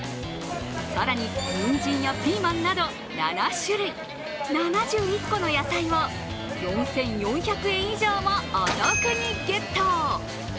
更に、にんじんやピーマンなど７種類、７１個の野菜を４４００円以上もお得にゲット！